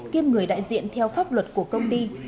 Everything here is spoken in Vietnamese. kiêm người đại diện theo pháp luật của công ty